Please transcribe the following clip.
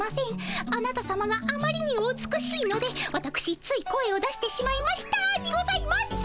あなたさまがあまりにお美しいのでわたくしつい声を出してしまいましたにございます。